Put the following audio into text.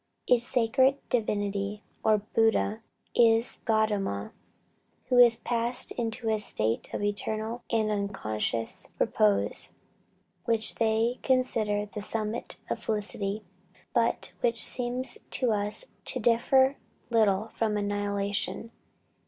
Its sacred Divinity, or Buddh, is Gaudama, who has passed into a state of eternal and unconscious repose, which they consider the summit of felicity; but which seems to us to differ little from annihilation.